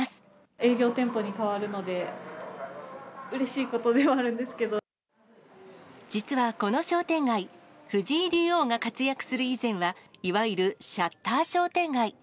営業店舗に変わるので、実は、この商店街、藤井竜王が活躍する以前は、いわゆるシャッター商店街。